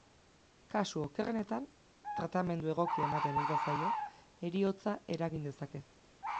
Kasu okerrenetan, tratamendu egokia ematen ez bazaio, heriotza eragin dezake.